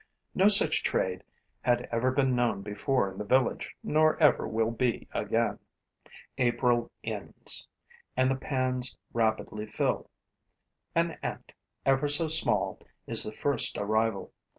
No such trade had ever been known before in the village nor ever will be again. April ends; and the pans rapidly fill. An ant, ever so small, is the first arrival.